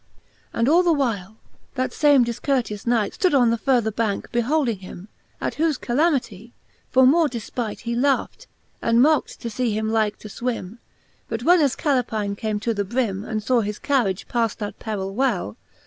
XXXIV, And all the while, that fame diicourteous Knight Stood on the further bancke beholding himj At whofe calamity, for more defpight, Helaught, and mockt to fee him like tofwimr But when as Calepine came to the brim, And faw his carriage paft that perill well.